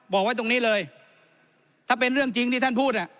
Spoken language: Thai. บอกไว้ตรงนี้เลยถ้าเป็นเรื่องจริงที่ท่านพูด